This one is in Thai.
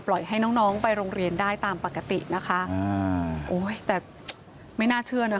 ให้น้องน้องไปโรงเรียนได้ตามปกตินะคะอ่าโอ้ยแต่ไม่น่าเชื่อนะ